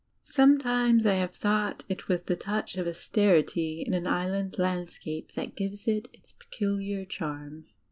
Sometimes I have thought it was the touch of austerity in an Island landscape that gives it its peculiar charm.